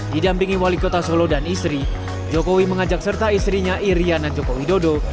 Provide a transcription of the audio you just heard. didampingi wali kota solo dan istri jokowi mengajak serta istrinya iryana joko widodo